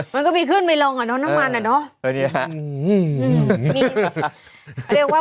มันก็มีขึ้นไปเรากับน้ำมันอ่ะเนาะ